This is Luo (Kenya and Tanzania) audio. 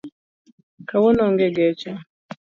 Kawuono onge geche